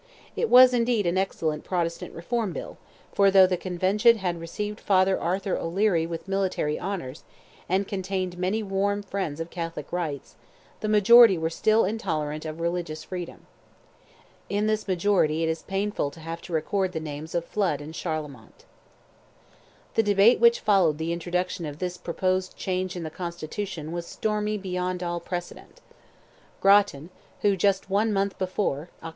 It was, indeed, an excellent Protestant Reform Bill, for though the Convention had received Father Arthur O'Leary with military honours, and contained many warm friends of Catholic rights, the majority were still intolerant of religious freedom. In this majority it is painful to have to record the names of Flood and Charlemont. The debate which followed the introduction of this proposed change in the constitution was stormy beyond all precedent. Grattan, who just one month before (Oct.